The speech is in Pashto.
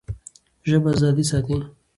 ژبه ازادي ساتي.